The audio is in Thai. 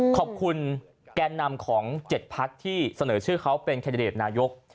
ขอบคุณแก่นำของ๗พักที่เสนอชื่อเขาเป็นแคนดิเดตนายก